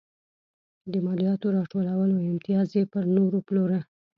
د مالیاتو راټولولو امتیاز یې پر نورو پلوره.